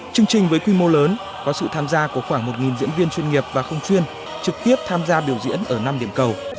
chương trình với quy mô lớn có sự tham gia của khoảng một diễn viên chuyên nghiệp và không chuyên trực tiếp tham gia biểu diễn ở năm điểm cầu